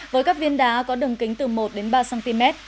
với các viên đá có đường kính từ một đến ba cm